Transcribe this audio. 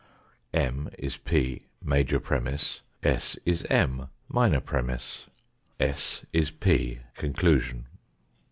M is P, major premiss; s is M, minor premiss; s is p, conclusion.